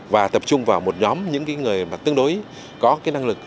và tập trung vào một nhóm những người tương đối có năng lực